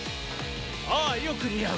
嗚呼よく似合う